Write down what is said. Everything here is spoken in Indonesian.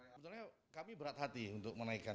sebetulnya kami berat hati untuk menaikkan